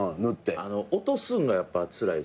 落とすんがやっぱつらいっすね。